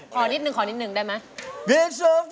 ขอนิดนึงขอนิดนึงได้ไหม